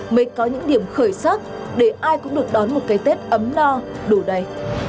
mới có những điểm khởi sắc để ai cũng được đón một cái tết ấm no đủ đầy